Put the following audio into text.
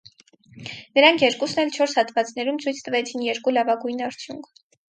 Նրանք երկուսն էլ չորս հատվածներում ցույց տվեցին երկու լավագույն արդյունք։